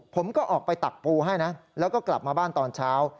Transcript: ผมก็ออกไปตักปูให้นะแล้วก็กลับมาบ้านตอนเช้า